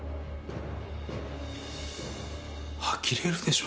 あきれるでしょ。